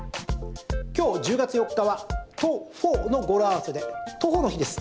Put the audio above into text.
今日１０月４日は１０と４の語呂合わせで徒歩の日です。